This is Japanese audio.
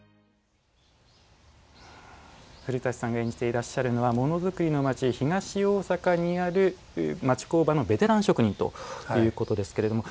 古舘さんが演じていらっしゃるのはものづくりの町・東大阪にある町工場のベテラン職人ということですけれども。